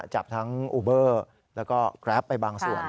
จับทั้งอูเบอร์แล้วก็แกรปไปบางส่วน